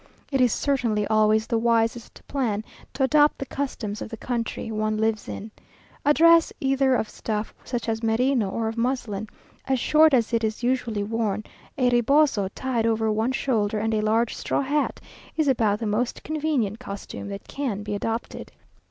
It is certainly always the wisest plan to adopt the customs of the country one lives in. A dress either of stuff, such as merino, or of muslin, as short as it is usually worn, a reboso tied over one shoulder, and a large straw hat, is about the most convenient costume that can be adopted.